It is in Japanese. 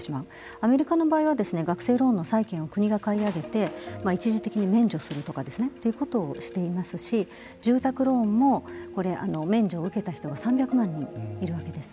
アメリカの場合は学生ローンの債権を国が買い上げて一時的に免除するとかということをしていますし住宅ローンもこれ、免除を受けた人が３００万人いるわけです。